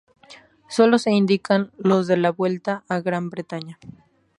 Solo se indican los de la Vuelta a Gran Bretaña.